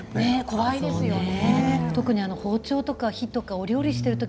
危ないですよね。